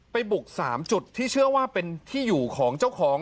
บุก๓จุดที่เชื่อว่าเป็นที่อยู่ของเจ้าของ